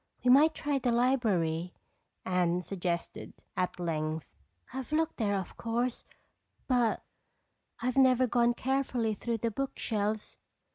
"We might try the library," Anne suggested at length. "I've looked there of course, but I've never gone carefully through the book shelves."